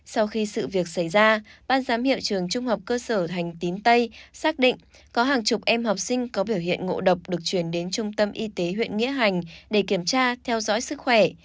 sau khi sự việc xảy ra ban giám hiệu trường trung học cơ sở thành tín tây xác định có hàng chục em học sinh có biểu hiện ngộ độc được chuyển đến trung tâm y tế huyện nghĩa hành để kiểm tra theo dõi sức khỏe